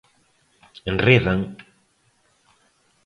Enredan.